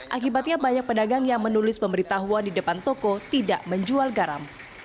akibatnya banyak pedagang yang menulis pemberitahuan di depan toko tidak menjual garam